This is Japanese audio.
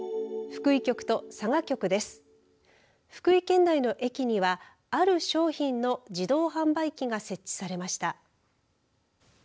福井県内の駅にはある商品の自動販売機が設置されました。